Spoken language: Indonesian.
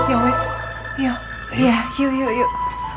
ya wis ya ya yuk yuk yuk